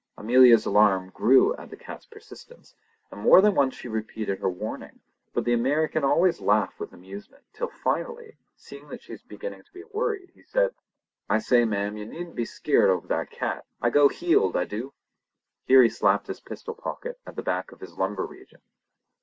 Amelia's alarm grew at the cat's persistence, and more than once she repeated her warning; but the American always laughed with amusement, till finally, seeing that she was beginning to be worried, he said: "I say, ma'am, you needn't be skeered over that cat. I go heeled, I du!" Here he slapped his pistol pocket at the back of his lumbar region.